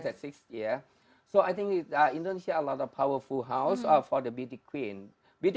jadi saya pikir indonesia adalah rumah yang sangat kuat untuk queen beat